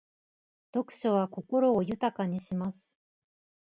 読書は心を豊かにします。